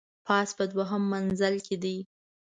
پاس په دوهم منزل کي دی .